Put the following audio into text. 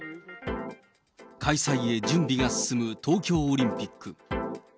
開催へ準備が進む東京オリンピック。